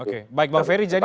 oke baik bang ferry jadi